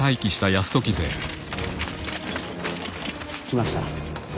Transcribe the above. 来ました。